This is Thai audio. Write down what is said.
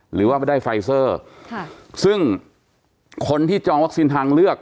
หรือว่าไม่ได้ไฟเซอร์ค่ะซึ่งคนที่จองวัคซีนทางเลือก